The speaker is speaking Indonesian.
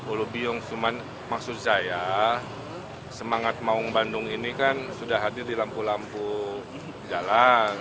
ulubiong cuman maksud saya semangat maung bandung ini kan sudah hadir di lampu lampu jalan